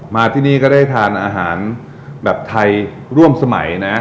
มาที่นี่ก็ได้ทานอาหารแบบไทยร่วมสมัยนะ